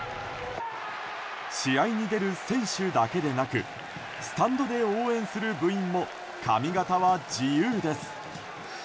試合に出る選手だけでなくスタンドで応援する部員も髪形は自由です。